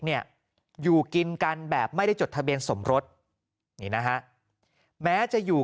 เนี่ยอยู่กินกันแบบไม่ได้จดทะเบียนสมรสนี่นะฮะแม้จะอยู่